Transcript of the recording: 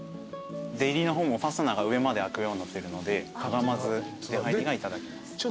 出入りの方もファスナーが上まで開くようになってるのでかがまず出はいりがいただけます。